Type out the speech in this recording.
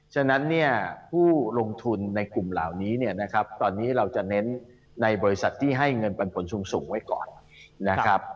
ฉะนั้นเนี่ยผู้ลงทุนในกลุ่มเหล่านี้เนี่ยนะครับตอนนี้เราจะเน้นในบริษัทที่ให้เงินปันผลสูงไว้ก่อนนะครับ